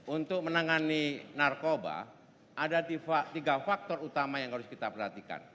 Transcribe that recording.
untuk menangani narkoba ada tiga faktor utama yang harus kita perhatikan